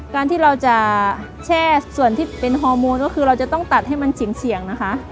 การที่เราจะแช่ส่วนที่เป็นฮอร์โมนก็คือเราจะต้องตัดให้มันเสี่ยงนะคะ